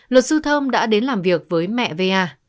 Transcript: luật sư thơm đã đến làm việc với mẹ va